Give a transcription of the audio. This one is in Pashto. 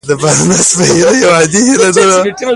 د بارنس هيله يوازې يوه عادي هيله نه وه.